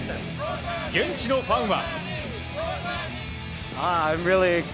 現地のファンは。